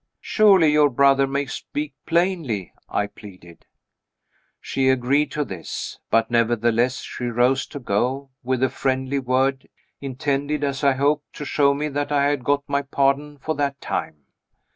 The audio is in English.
"Surely your brother may speak plainly," I pleaded. She agreed to this. But nevertheless she rose to go with a friendly word, intended (as I hoped) to show me that I had got my pardon for that time.